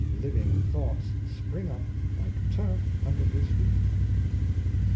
Living thoughts spring up like turf under his feet."